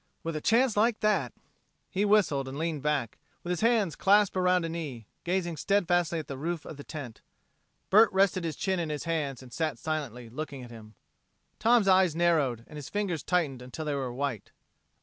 "With a chance like that!" He whistled, and leaned back, with his hands clasped around a knee, gazing steadfastly at the roof of the tent. Bert rested his chin in his hands and sat silently, looking at him. Tom's eyes narrowed and his fingers tightened until they were white.